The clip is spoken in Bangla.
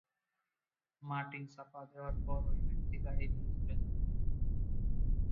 মাটি চাপা দেয়ার পর ওই ব্যক্তি গাড়ি নিয়ে চলে যাবে।